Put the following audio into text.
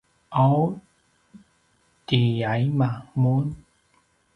’aw tiaima mun?